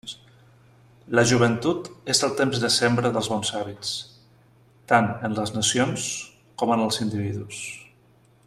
La joventut és el temps de sembra dels bons hàbits, tant en les nacions com en els individus.